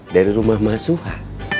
dari rumah mas suha